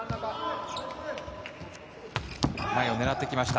前を狙ってきました。